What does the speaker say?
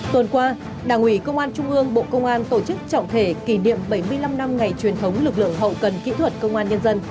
tuần qua đảng ủy công an trung ương bộ công an tổ chức trọng thể kỷ niệm bảy mươi năm năm ngày truyền thống lực lượng hậu cần kỹ thuật công an nhân dân